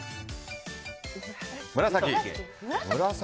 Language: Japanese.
紫。